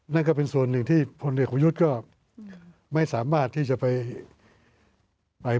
นั่นก็เป็นส่วนหนึ่งที่พลเอกประยุทธ์ก็ไม่สามารถที่จะไป